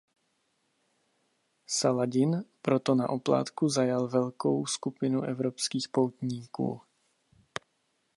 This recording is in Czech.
Saladin proto na oplátku zajal velkou skupinu evropských poutníků.